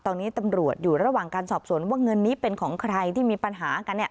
ตอนนี้ตำรวจอยู่ระหว่างการสอบสวนว่าเงินนี้เป็นของใครที่มีปัญหากัน